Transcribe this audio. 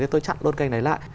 thì tôi chặn luôn kênh này lại